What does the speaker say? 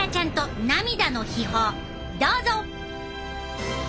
どうぞ！